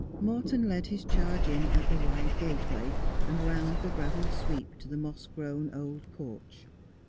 Morton led his charge in at the wide gateway, and round the gravelled sweep to the moss grown old porch.